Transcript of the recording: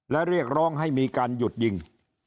และเรียกร้องให้มีการหยุดยิง